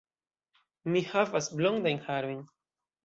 Mi havas blondajn harojn.